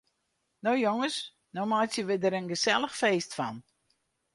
No jonges, no meitsje we der in gesellich feest fan.